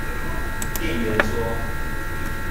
店員說